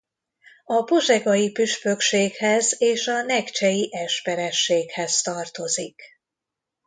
A pozsegai püspökséghez és a nekcsei esperességhez tartozik.